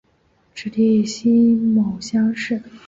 直隶辛卯乡试。